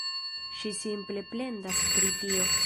Ŝi simple plendas pri tio.